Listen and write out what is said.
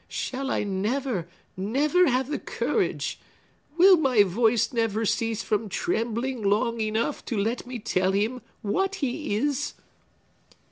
Shall I never, never have the courage,—will my voice never cease from trembling long enough to let me tell him what he is?"